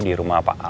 di rumah pak al